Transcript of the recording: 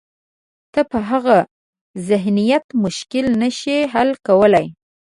ته په هغه ذهنیت مشکل نه شې حل کولای.